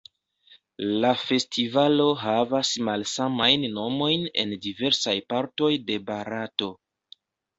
La festivalo havas malsamajn nomojn en diversaj partoj de Barato.